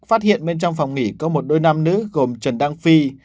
phát hiện bên trong phòng nghỉ có một đôi nam nữ gồm trần đăng phi